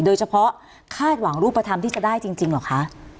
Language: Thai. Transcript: โดยเฉพาะคาดหวังรูปธรรมที่จะได้จริงหรอคะ